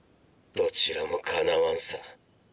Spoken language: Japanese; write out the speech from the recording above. どちらもかなわんさ。